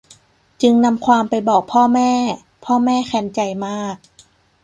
จึงนำความไปบอกพ่อแม่ พ่อแม่แค้นใจมาก